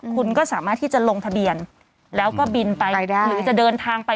คุณก็สามารถที่จะลงทะเบียนแล้วก็บินไปหรือจะเดินทางไป